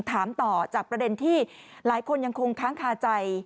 ถามต่อจากประเด็นที่หลายคนยังคงค้างคาใจ